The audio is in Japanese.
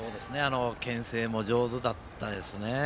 けん制も上手だったですね。